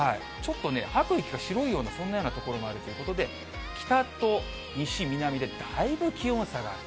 ちょっとね、吐く息が白いような、そんなような所もあるということで、北と西、南でだいぶ気温差がある。